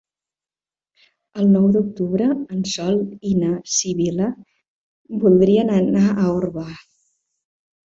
El nou d'octubre en Sol i na Sibil·la voldrien anar a Orba.